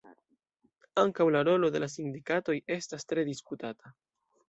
Ankaŭ la rolo de la sindikatoj estas tre diskutata.